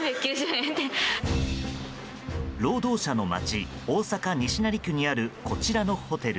労働者の街大阪・西成区にあるこちらのホテル。